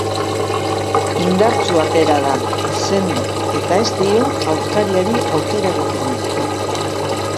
Indartsu atera da, sendo, eta ez dio aurkariari aukerarik eman.